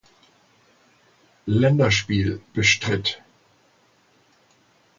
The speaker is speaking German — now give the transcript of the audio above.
Länderspiel bestritt.